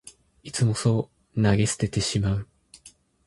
いつもそう投げ捨ててしまう